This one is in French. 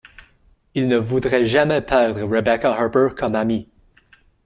Il ne voudrait jamais perdre Rebecca Harper comme amie.